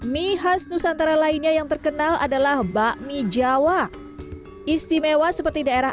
mie khas nusantara lainnya yang terkenal adalah bakmi jawa istimewa seperti daerah